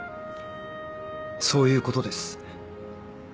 そういうことです。